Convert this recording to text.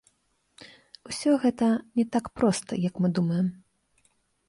Усё гэта не так проста, як мы думаем.